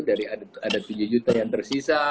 dari ada tujuh juta yang tersisa